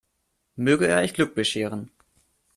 Möge er euch Glück bescheren.